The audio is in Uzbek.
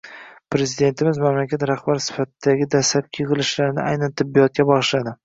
Prezidentimiz mamlakat rahbari sifatidagi dastlabki yigʻilishlarini aynan tibbiyotga bagʻishladi.